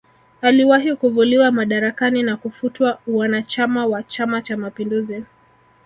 Aliwahi kuvuliwa madaraka na kufutwa uanachama wa chama cha mapinduzi